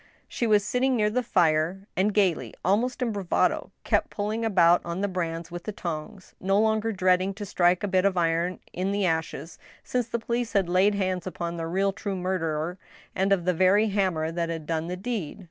She was sitting near the fire, and gayly, almost in bravado, kept pulling about the brands with the tongs, no longer dreading to strike a bit of iron in the ashes, since the police had laid hands upon the real true murderer and of the very hammer that had done the deed.